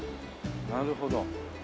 なるほど。